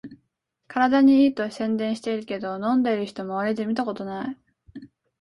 体にいいと宣伝してるけど、飲んでる人まわりで見たことない